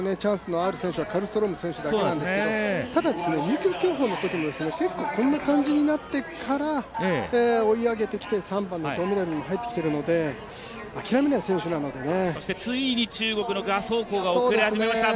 唯一２つの種目同一大会でメダルを取れるチャンスがある選手はカルストローム選手だけなんですけどただ、２０ｋｍ競歩のときも結構、こんな感じになってから追い上げてきて３番、銅メダルに入ってきているので、諦めない選手なのでね。